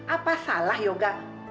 apa salah yoga